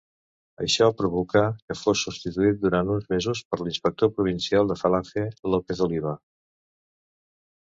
Això provocà que fos substituït durant uns mesos per l'inspector provincial de Falange, López Oliva.